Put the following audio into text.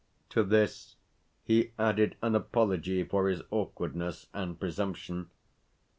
To this he added an apology for his awkwardness and presumption.